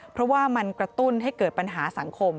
เพราะว่ามันกระตุ้นให้เกิดปัญหาสังคม